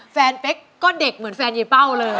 เป๊กก็เด็กเหมือนแฟนยายเป้าเลย